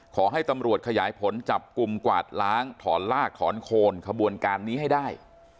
ขอให้ตำรวจขยายผลจับกลุ่มกวาดล้างถอนลากถอนโคนขบวนการนี้ให้ได้